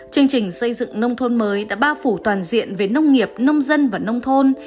chương trình xây dựng nông thôn mới đã bao phủ toàn diện về nông nghiệp nông dân và nông thôn